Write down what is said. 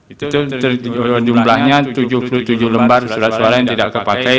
itu jumlahnya tujuh puluh tujuh lembar surat suara yang tidak kepakai